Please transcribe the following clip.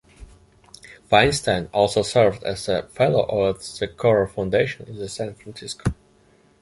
Feinstein also served as a fellow at the Coro Foundation in San Francisco.